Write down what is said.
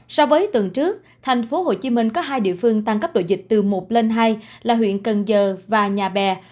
so với tuần trước tp hcm có hai địa phương tăng cấp độ dịch từ một lên hai là huyện cần giờ và nhà bè